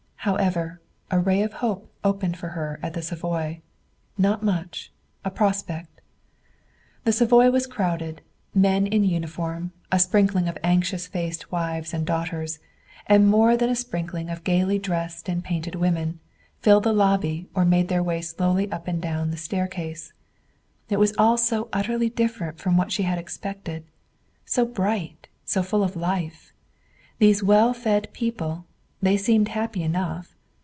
However, a ray of hope opened for her at the Savoy not much, a prospect. The Savoy was crowded. Men in uniform, a sprinkling of anxious faced wives and daughters, and more than a sprinkling of gaily dressed and painted women, filled the lobby or made their way slowly up and down the staircase. It was all so utterly different from what she had expected so bright, so full of life. These well fed people they seemed happy enough.